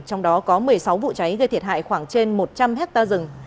trong đó có một mươi sáu vụ cháy gây thiệt hại khoảng trên một trăm linh hectare rừng